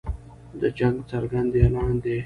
د جنګ څرګند اعلان دی.